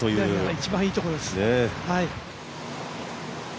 一番いいところです。